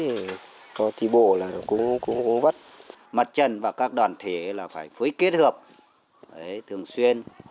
thì có trí bộ là nó cũng vất mặt trần và các đoàn thể là phải phối kết hợp thường xuyên